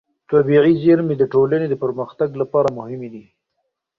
طبیعي زېرمې د ټولنې د پرمختګ لپاره مهمې دي.